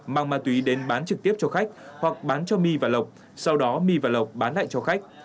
mang ma túy đến bán trực tiếp cho khách hoặc bán cho my và lộc sau đó my và lộc bán lại cho khách